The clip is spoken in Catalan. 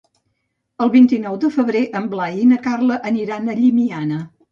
El vint-i-nou de febrer en Blai i na Carla aniran a Llimiana.